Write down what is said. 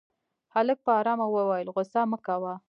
هلک په آرامه وويل غوسه مه کوه.